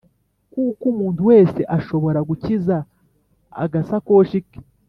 kuko umuntu wese ashobora gukiza agasakoshi ke,